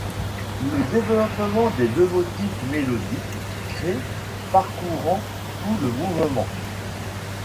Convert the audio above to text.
Le développement des deux motifs mélodiques crée parcourant tout le mouvement.